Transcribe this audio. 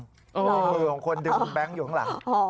มือของคนดึงคุณแบงค์อยู่ข้างหลัง